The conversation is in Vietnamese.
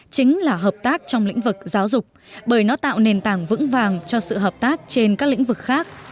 chính là hợp tác trong lĩnh vực giáo dục bởi nó tạo nền tảng vững vàng cho sự hợp tác trên các lĩnh vực khác